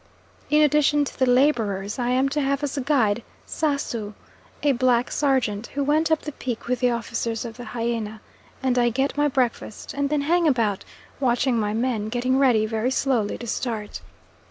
In addition to the labourers, I am to have as a guide Sasu, a black sergeant, who went up the Peak with the officers of the Hyaena, and I get my breakfast, and then hang about watching my men getting ready very slowly to start.